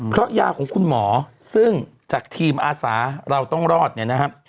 เพราะยาของคุณหมอซึ่งจากทีมอาสาเราต้องรอดเนี่ยนะครับ